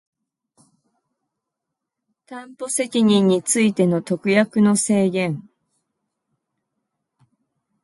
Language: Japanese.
担保責任についての特約の制限